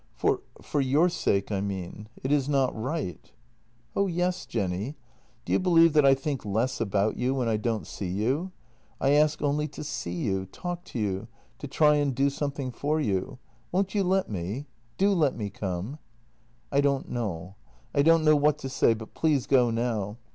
"For — for your sake, I mean. It is not right." " Oh yes, Jenny. Do you believe that I think less about you when I don't see you ? I ask only to see you, talk to you, to try and do something for you. Won't you let me? Do let me come." " I don't know — I don't know what to say, but please go now.